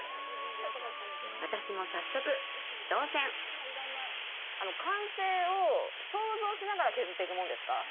私も早速挑戦完成を想像しながら削っていくもんですか？